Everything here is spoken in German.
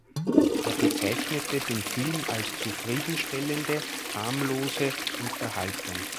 Er bezeichnete den Film als „zufriedenstellende“, „harmlose“ Unterhaltung.